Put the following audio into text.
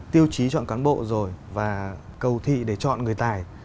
tiêu chí chọn cán bộ rồi và cầu thị để chọn người tài